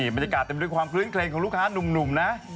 มันจะการเต็มด้วยความเคลื่อนเคลงของลูกค้านุ่มนะ